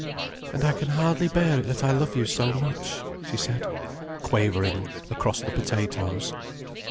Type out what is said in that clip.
"And I can hardly bear it that I love you so much," she said, quavering, across the potatoes.